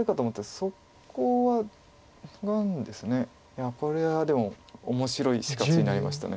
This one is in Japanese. いやこれはでも面白い死活になりました。